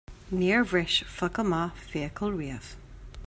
Níor bhris focal maith fiacail riamh